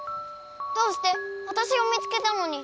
どうして⁉わたしが見つけたのに！